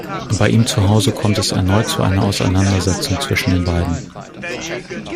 Bei ihm zu Hause kommt es erneut zu einer Auseinandersetzung zwischen den beiden.